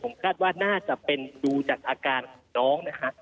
ผมคาดว่าน่าจะเป็นดูจากอาการของน้องนะฮะ